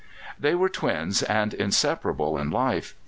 They were twins and inseparables in life.